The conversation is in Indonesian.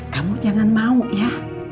kamu jangan mau ya